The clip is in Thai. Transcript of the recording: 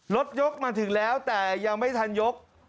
รถยกมาถึงแล้วแต่ยังไม่ทันยก